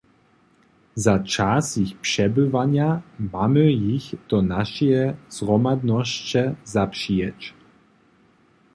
Za čas jich přebywanja mamy jich do našeje zhromadnosće zapřijeć.